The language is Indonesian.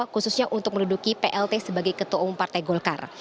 khususnya untuk menduduki plt sebagai ketua umum partai golkar